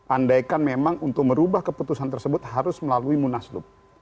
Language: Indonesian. andaikan memang untuk merubah keputusan tersebut harus melalui munaslup